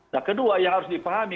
nah kedua yang harus dipahami